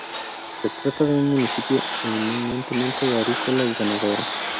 Se trata de un municipio eminentemente agrícola y ganadero.